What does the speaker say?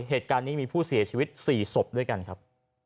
เหตุการณ์นี้มีผู้เสียชีวิต๔ศพด้วยกันครับ